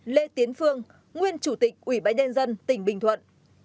năm lê tiến phương nguyên chủ tịch ủy bãi nhân dân tỉnh bình thuận